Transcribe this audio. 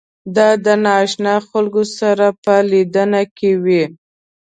دا د نااشنا خلکو سره په لیدنه کې وي.